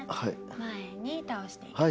前に倒していきます。